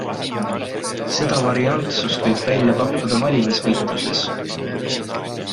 Seda variantsust võib välja pakkuda valimisvõitluses.